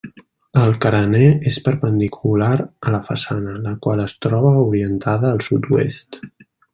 El carener és perpendicular a la façana, la qual es troba orientada al sud-oest.